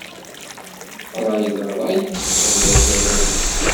Ṛṛay d ṛṛay-is, awal d awal-is.